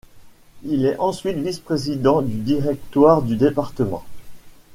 Il est ensuite vice-président du directoire du département.